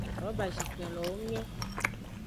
Robazikpenlowo nge.